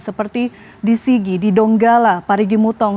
seperti di sigi di donggala parigi mutong